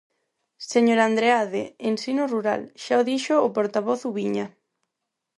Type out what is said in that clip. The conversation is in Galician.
Señor Andreade, ensino rural, xa o dixo o portavoz Ubiña.